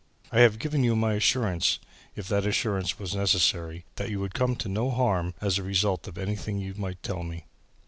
I have given you my assurance, if that assurance was necessary, that you would come to no harm as a result of anything you might tell me."